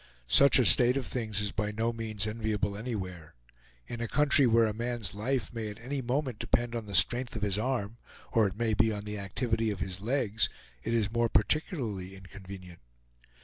Such a state of things is by no means enviable anywhere. In a country where a man's life may at any moment depend on the strength of his arm, or it may be on the activity of his legs, it is more particularly inconvenient.